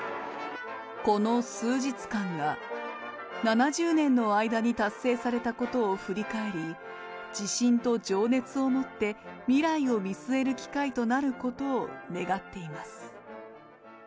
この数日間が、７０年の間に達成されたことを振り返り、自信と情熱を持って未来を見据える機会となることを願っています。